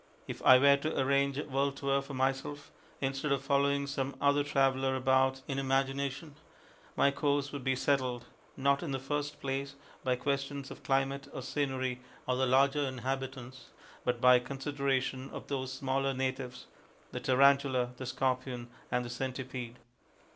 If I were to arrange a world tour for myself, instead of following some other traveller about in imagination, my course would be settled, not, in the first place, by questions of climate or scenery or the larger inhabitants, but by consideration of those smaller natives the Tarantula, the Scorpion, and the Centipede.